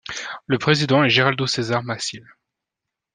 Le président est Geraldo César Maciel.